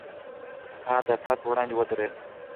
هغه د افراط پر وړاندې ودرېد.